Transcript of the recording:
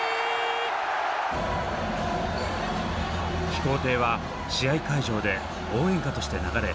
「飛行艇」は試合会場で応援歌として流れ